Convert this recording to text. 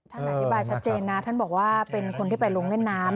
อธิบายชัดเจนนะท่านบอกว่าเป็นคนที่ไปลงเล่นน้ำ